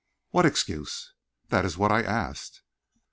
"What excuse?" "That is what I asked."